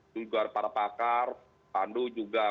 juga para pakar pandu juga